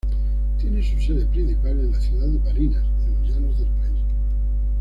Tiene su sede principal en la ciudad de Barinas, en los llanos del país.